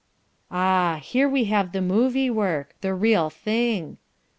Ah, here we have the movie work the real thing.